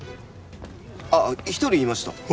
ああ１人いました。